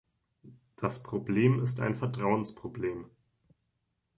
Das Problem ist ein Vertrauensproblem.